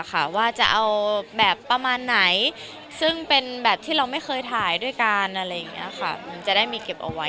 ว่าจะเอาแบบประมาณไหนซึ่งเป็นแบบที่เราไม่เคยถ่ายด้วยกันอะไรอย่างนี้ค่ะมันจะได้มีเก็บเอาไว้